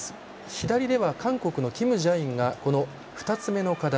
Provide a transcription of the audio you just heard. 左では韓国のキム・ジャインが２つ目の課題